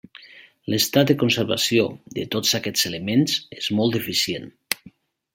L'estat de conservació de tots aquests elements és molt deficient.